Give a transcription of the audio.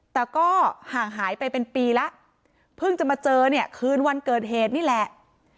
แต่ก็ห่างหายไปเป็นปีแล้วเพิ่งจะมาเจอเนี่ยคืนวันเกิดเหตุนี่แหละ